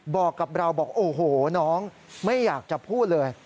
บอกกับเราบอกโอ้โหน้องไม่อยากจะพูดเลย